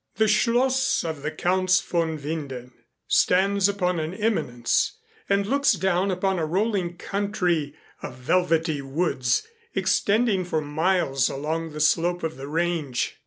The schloss of the Counts von Winden stands upon an eminence and looks down upon a rolling country of velvety woods extending for miles along the slope of the range.